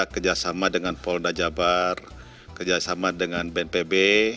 kerjasama dengan polda jabar kerjasama dengan bnpb